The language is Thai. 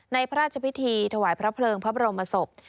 พระราชพิธีถวายพระเพลิงพระบรมศพ